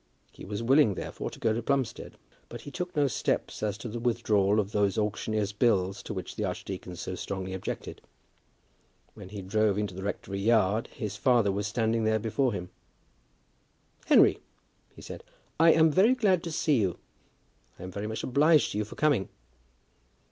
He was willing, therefore, to go to Plumstead, but he took no steps as to the withdrawal of those auctioneer's bills to which the archdeacon so strongly objected. When he drove into the rectory yard, his father was standing there before him. "Henry," he said, "I am very glad to see you. I am very much obliged to you for coming."